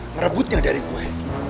ngerebutnya dari gue